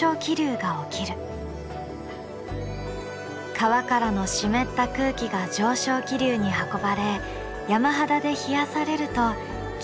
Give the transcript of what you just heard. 川からの湿った空気が上昇気流に運ばれ山肌で冷やされると霧が生まれる。